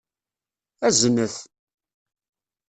Azen-t!